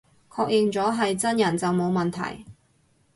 確認咗係真人就冇問題